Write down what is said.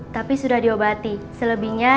tapi sudah diobati selebihnya